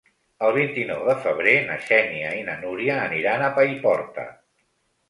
El vint-i-nou de febrer na Xènia i na Núria aniran a Paiporta.